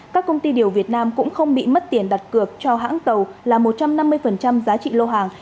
các công ty điều việt nam cũng không bị mất tiền đặt cược cho hãng tàu là một trăm năm mươi giá trị lô hàng